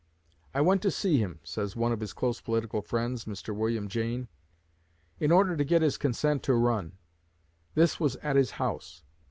"I went to see him," says one of his close political friends, Mr. William Jayne, "in order to get his consent to run. This was at his house.